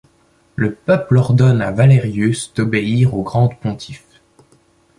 Le peuple ordonne à Valerius d’obéir au grand pontife.